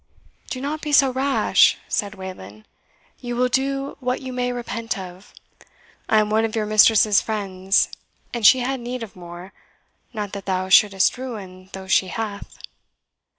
"Do not be so rash," said Wayland; "you will do what you may repent of. I am one of your mistress's friends; and she had need of more, not that thou shouldst ruin those she hath."